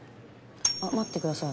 あっ待ってください。